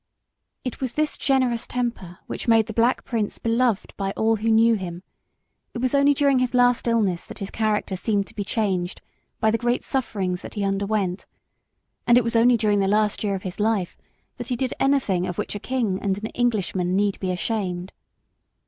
It was this generous temper which made the Black Prince beloved by all who knew him; it was only during his last illness that his character seemed to be changed by the great sufferings that he underwent, and it was only during the last year of his life that he did anything of which a king and an Englishman need be ashamed.